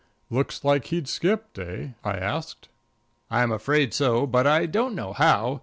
"Looks as if he'd skipped, eh?" I asked. "I'm afraid so, but I don't know how.